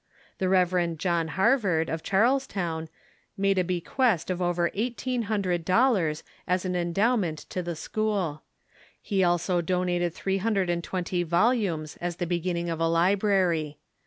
The Rev. John Harvard, of Charlestown, made a be quest of over eighteen hundred dollars as an endowment to the school. He also donated three hundred and twenty vol umes as the beginning of a library.